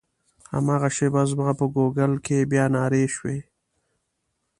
هماغه شېبه زما په ګوګل کې بیا نارې شوې.